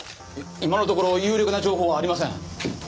今のところ有力な情報はありません。